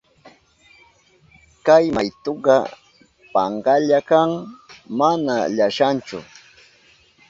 Kay maytuka pankalla kan, mana llashanchu.